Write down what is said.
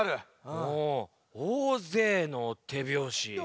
ほうおおぜいのてびょうし。